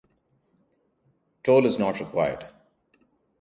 Toll is not required.